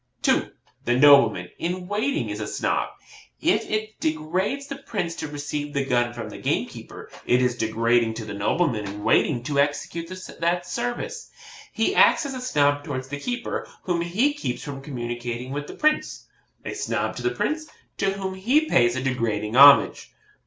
2. The nobleman in waiting is a Snob. If it degrades the Prince to receive the gun from the gamekeeper, it is degrading to the nobleman in waiting to execute that service. He acts as a Snob towards the keeper, whom he keeps from communication with the Prince a Snob to the Prince, to whom he pays a degrading homage.